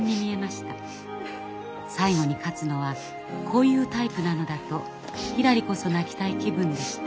最後に勝つのはこういうタイプなのだとひらりこそ泣きたい気分でした。